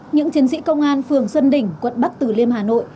những chiến sĩ công an phường xuân đỉnh quận bắc từ liêm hà nội